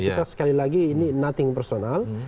kita sekali lagi ini nothing personal